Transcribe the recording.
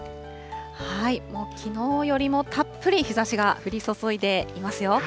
もうきのうよりもたっぷり日ざしが降り注いでいますよ。